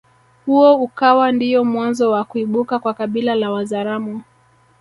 Huo ukawa ndiyo mwanzo wa kuibuka kwa kabila la wazaramo